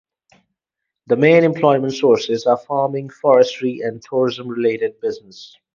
The main employment sources are farming, forestry and tourism-related business.